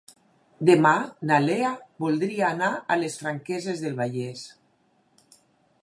Demà na Lea voldria anar a les Franqueses del Vallès.